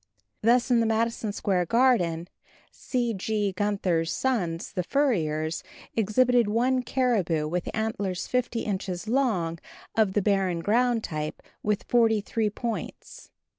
Thus, at the Madison Square Garden, C. G. Gunther's Sons, the furriers, exhibited one caribou with antlers 50 inches long, of the barren ground type, with 43 points.